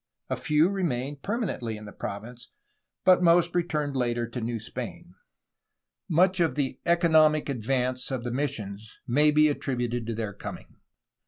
A few remained permanently in the province, but most returned later to New Spain. Much of the economic advance of the missions may be attributed to their coming.